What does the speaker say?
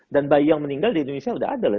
dan bayi yang meninggal di indonesia sudah ada lah